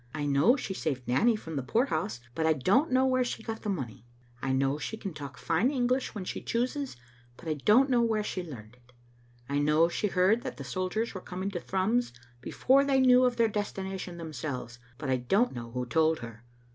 "I know she saved Nanny from the poor house, but I don't know where she got the money. I know she can talk fine English when she chooses, but I don't know where she learned it. I know she heard that the soldiers were coming to Thrums before they knew of their destination themselves, but I don't know who told her.